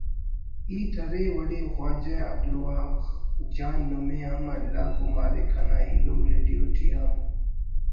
ہیت ارے ولے خواجہ عبدالوہاب جان نمے ہم اللہ گمارے کنا ایلم ریڈیو ٹی ہم